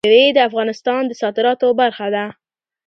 مېوې د افغانستان د صادراتو برخه ده.